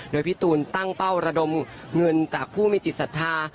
โดยพี่ตูนตั้งเป้าระดมเงินจากผู้มีจิตศรัทธา